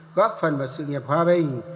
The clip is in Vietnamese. góp phần vào sự nghiệp hòa bình